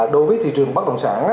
đối với thị trường bất động sản